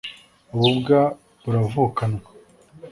ububwa buravukanwa